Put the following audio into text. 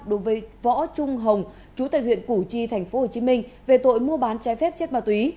đối với võ trung hồng chú tại huyện củ chi tp hcm về tội mua bán trái phép chất ma túy